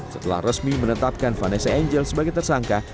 setelah resmi menetapkan vanessa angel sebagai tersangka